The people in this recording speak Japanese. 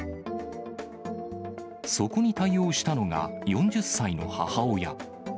そこに対応したのが４０歳の母親。